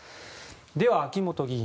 では秋本議員